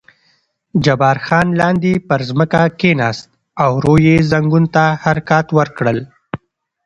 جبار خان لاندې پر ځمکه کېناست او ورو یې زنګون ته حرکات ورکړل.